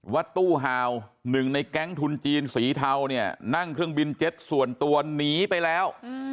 ว่าตู้ฮาวหนึ่งในแก๊งทุนจีนสีเทาเนี่ยนั่งเครื่องบินเจ็ตส่วนตัวหนีไปแล้ว